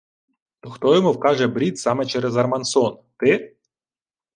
— То хто йому вкаже брід саме через Армансон? Ти?